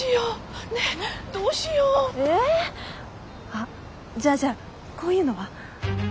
あっじゃあじゃあこういうのは？